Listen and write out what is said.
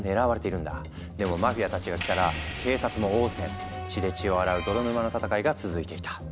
でもマフィアたちが来たら警察も応戦血で血を洗う泥沼の戦いが続いていた。